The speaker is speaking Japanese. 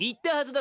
・・だ！